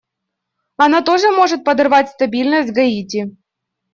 Она тоже может подорвать стабильность Гаити.